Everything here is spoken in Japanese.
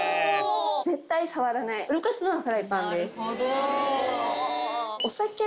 絶対触らない動かすのはフライパンです。